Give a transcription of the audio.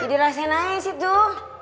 ini rasain aja sih tuh